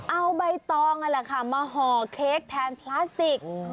เอาใบตองนั่นแหละค่ะมาห่อเค้กแทนพลาสติก